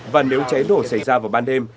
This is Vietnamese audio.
và nếu cháy nổ xảy ra vào ban đêm